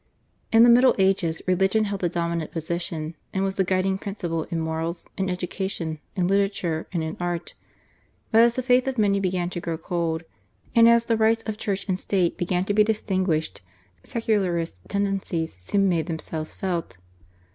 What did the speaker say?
In the Middle Ages religion held the dominant position and was the guiding principle in morals, in education, in literature, and in art; but as the faith of many began to grow cold, and as the rights of Church and State began to be distinguished, secularist tendencies soon made themselves felt.